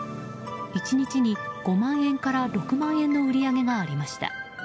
１日に５万円から６万円の売り上げがありました。